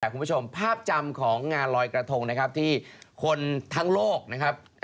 คุณผู้ชมภาพจำของงานลอยกระทงนะครับที่คนทั้งโลกนะครับ